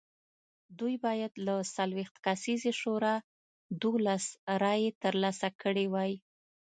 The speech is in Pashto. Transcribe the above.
دوی باید له څلوېښت کسیزې شورا دولس رایې ترلاسه کړې وای